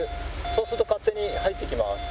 そうすると勝手に入っていきます。